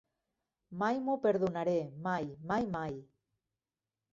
Mai m'ho perdonaré mai; mai, mai!